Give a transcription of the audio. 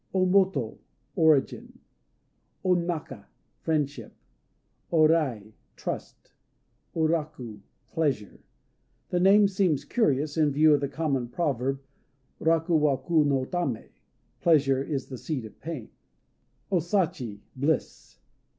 O Moto "Origin." O Naka "Friendship." O Rai "Trust." O Raku "Pleasure." The name seems curious, in view of the common proverb, Raku wa ku no tané, "Pleasure is the seed of pain." O Sachi "Bliss."